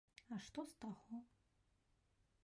А што з таго?